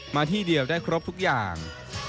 ที่เดียวได้ครบทุกอย่าง